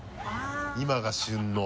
今が旬の。